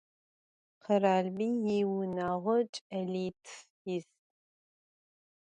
Kheralbiy yiunağo ç'elitf yis.